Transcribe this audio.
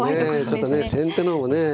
ちょっとね先手の方もね。